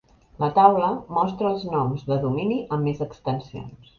La taula mostra els noms de domini amb més extensions.